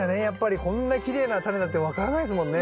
こんなきれいな種だって分からないですもんね。